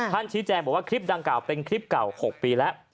ชี้แจงบอกว่าคลิปดังกล่าวเป็นคลิปเก่า๖ปีแล้ว